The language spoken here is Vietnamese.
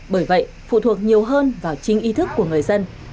bởi vậy phụ thuộc nhiều hơn vào chính ý thức của người dân